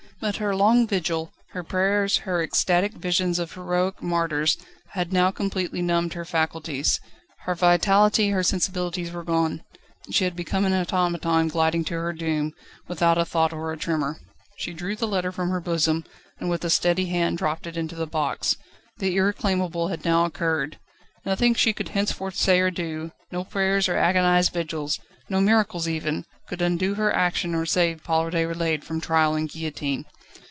But her long vigil, her prayers, her ecstatic visions of heroic martyrs had now completely numbed her faculties. Her vitality, her sensibilities were gone: she had become an automaton gliding to her doom, without a thought or a tremor. She drew the letter from her bosom, and with a steady hand dropped it into the box. The irreclaimable had now occurred. Nothing she could henceforth say or do, no prayers or agonised vigils, no miracles even, could undo her action or save Paul Déroulède from trial and guillotine.